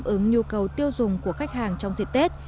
ứng nhu cầu tiêu dùng của khách hàng trong dịp tết